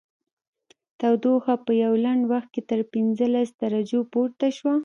تودوخه په یوه لنډ وخت کې تر پنځلس درجو پورته شوه